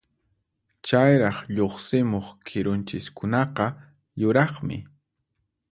Chayraq lluqsimuq kirunchiskunaqa yuraqmi.